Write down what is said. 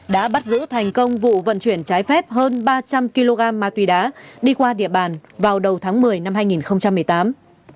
đã bắt giữ thành công vụ vận chuyển trái phép hơn ba trăm linh kg ma túy đá đi qua địa bàn vào đầu tháng một mươi năm hai nghìn một mươi tám